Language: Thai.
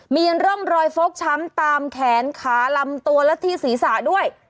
มีร่องรอยฟกช้ำตามแขนขาลำตัวและที่ศีรษะด้วย